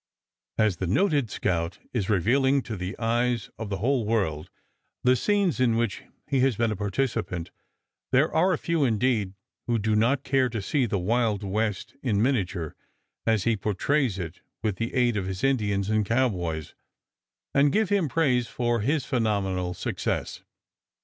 As the noted scout is revealing to the eyes of the whole world the scenes in which he has been a participant, there are few indeed who do not care to see the Wild West in miniature as he portrays it with the aid of his Indians and cowboys, and give him praise for his phenomenal success.